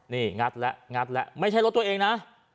อ๋อนี่ไงนี่งัดแล้วไม่ใช่รถตัวเองนะ